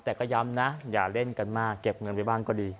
แต่ก็ย้ำนะอย่าเล่นกันมากเก็บเงินไปบ้างก็ดี